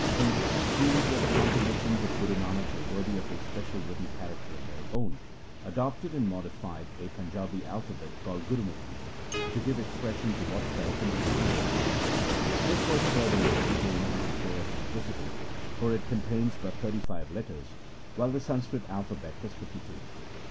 He, deeming that the com positions of Guru Nanak were worthy of a special written character of their own, adopted and modified a Panjabi alphabet, called Gurumukhi, to give ex pression to what fell from the Guru's lips. This was furthermore a gain on the score of simplicity, for it contains but thirty five letters, while the Sanskrit alphabet has fifty two.